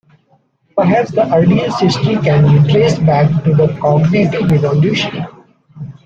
Perhaps the earliest history can be traced back to the cognitive revolution.